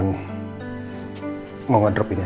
nanti aku nungguinnya ya